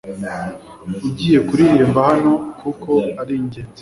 Ugiye kuririmba hano kuko ari ingenzi